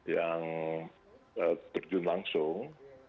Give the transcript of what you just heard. yang terjun langsung